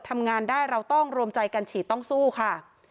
ทำงานได้เราต้องรวมใจกันฉีดต้องสู้ค่ะ